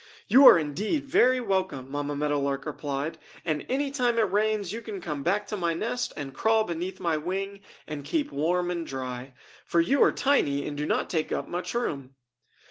"You are indeed very welcome," Mamma Meadow Lark replied, "and any time it rains you can come back to my nest and crawl beneath my wing and keep warm and dry. For you are tiny and do not take up much room!"